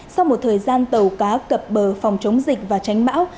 sau một thời gian tàu cá cập bờ phòng chống dịch và tránh bão